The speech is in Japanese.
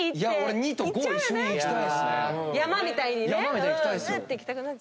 「山」みたいにね。